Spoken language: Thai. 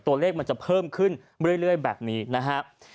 ตัวเลขมันจะเพิ่มขึ้นเรื่อยแบบนี้นะครับ